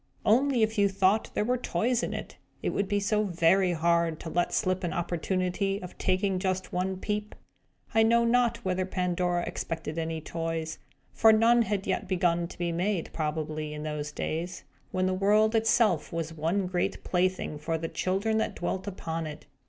Only, if you thought there were toys in it, it would be so very hard to let slip an opportunity of taking just one peep! I know not whether Pandora expected any toys; for none had yet begun to be made, probably, in those days, when the world itself was one great plaything for the children that dwelt upon it.